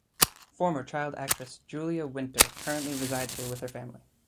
Former child actress Julia Winter currently resides here with her family.